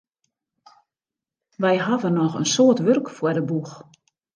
Wy hawwe noch in soad wurk foar de boech.